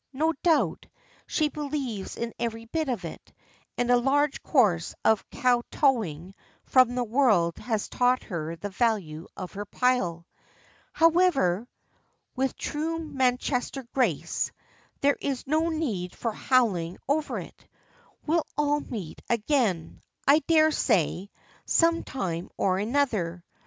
No doubt, she believes in every bit of it, and a large course of kow towing from the world has taught her the value of her pile. "However," with true Manchester grace, "there's no need for howling over it. We'll all meet again, I dare say, some time or other.